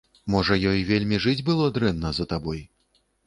Можа ёй вельмі жыць было дрэнна за табой?